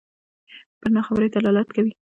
پر ناخبرۍ دلالت کوي.